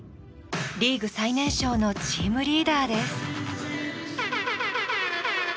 リーグ最年少のチームリーダーです。